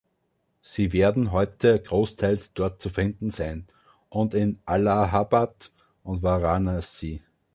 Sie werden heute großteils dort zu finden sein und in Allahabad und Varanasi.